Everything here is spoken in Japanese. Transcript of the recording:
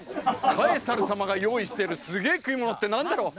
カエサル様が用意してるすげえ食い物って何だろう？